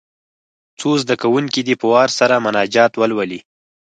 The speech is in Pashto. څو زده کوونکي دې په وار سره مناجات ولولي.